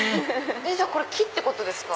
これ木ってことですか？